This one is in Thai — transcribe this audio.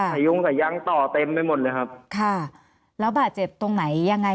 ยุงขยั้งต่อเต็มไปหมดเลยครับค่ะแล้วบาดเจ็บตรงไหนยังไง